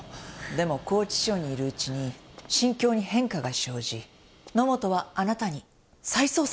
でも拘置所にいるうちに心境に変化が生じ野本はあなたに再捜査を依頼した。